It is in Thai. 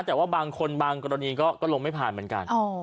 แต่ว่าบางคนบางกรณีก็ลงไม่ผ่านเหมือนกัน